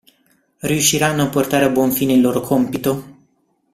Riusciranno a portare a buon fine il loro compito?